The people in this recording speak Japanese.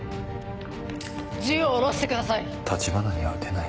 銃を下ろしてください。